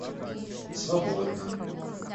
свободно